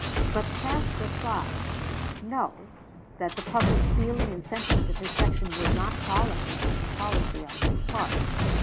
But Cass replied, No; that the public feeling and sentiment of his section would not tolerate such a policy on his part.